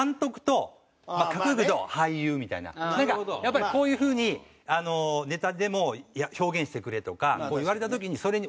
なんかやっぱりこういう風にネタでも表現してくれとかこう言われた時にそれに応じる。